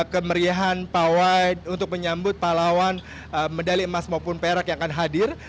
kemeriahan pawai untuk menyambut pahlawan medali emas maupun perak yang akan hadir